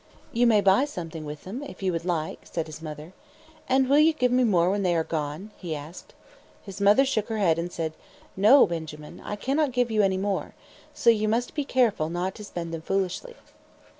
"You may buy something with them, if you would like," said his mother. "And will you give me more when they are gone?" he asked. His mother shook her head and said: "No, Benjamin. I cannot give you any more. So you must be careful not to spend them foolishly."